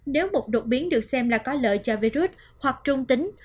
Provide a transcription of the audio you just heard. nếu một đột biến được xem là có lợi cho virus hoặc trung tính